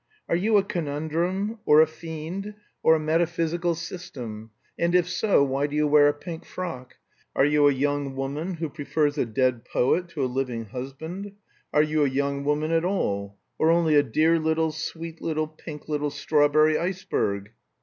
"Are you a conundrum? Or a fiend? Or a metaphysical system? And if so, why do you wear a pink frock! Are you a young woman who prefers a dead poet to a living husband? Are you a young woman at all? Or only a dear little, sweet little, pink little strawberry iceberg?"